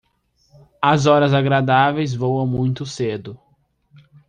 As horas agradáveis voam muito cedo.